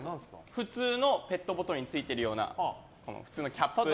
普通のペットボトルについているようなキャップ。